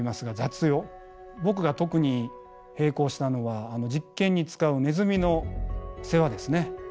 僕が特に閉口したのは実験に使うネズミの世話ですね。